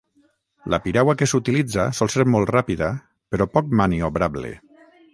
La piragua que s'utilitza sol ser molt ràpida però poc maniobrable.